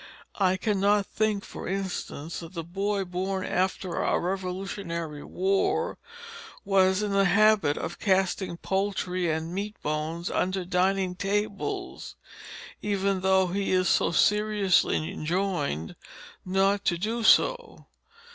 I cannot think, for instance, that the boy born after our Revolutionary war was in the habit of casting poultry and meat bones under dining tables, even though he is so seriously enjoined not to do so.